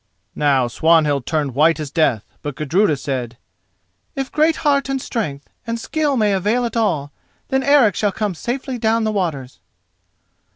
Now Swanhild turned white as death; but Gudruda said: "If great heart and strength and skill may avail at all, then Eric shall come safely down the waters."